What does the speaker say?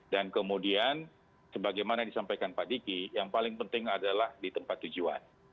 dan kemudian sebagaimana disampaikan pak diki yang paling penting adalah di tempat tujuan